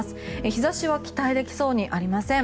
日差しは期待できそうにありません。